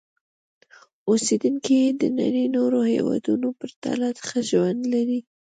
اوسېدونکي یې د نړۍ نورو هېوادونو په پرتله ښه ژوند لري.